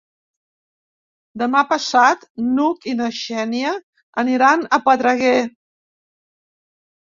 Demà passat n'Hug i na Xènia aniran a Pedreguer.